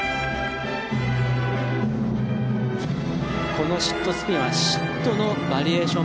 このシットスピンは、シットのバリエーション